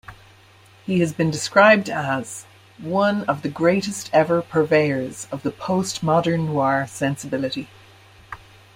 He has been described as: one of the greatest-ever purveyors of the postmodern-noir sensibility.